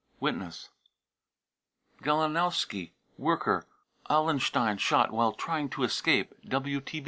(Witness.) galinowski, worker, Allen * stein, shot " while trying to escape."